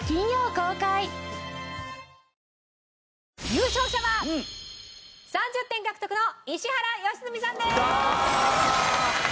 優勝者は３０点獲得の石原良純さんです！